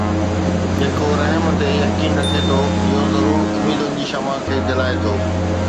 جيڪو رحم تي يقين رکي ٿو، اهو ضرور اميدن جي شمع کي جلائي ٿو